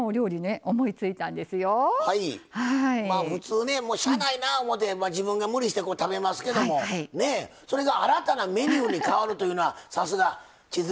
まあ普通ねしゃあないな思うて自分が無理して食べますけどもそれが新たなメニューに変わるというのはさすが千鶴さんでございますな。